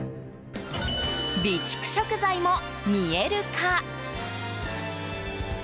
備蓄食材も見える化。